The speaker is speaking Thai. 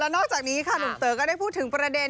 นอกจากนี้ค่ะหนุ่มเต๋อก็ได้พูดถึงประเด็น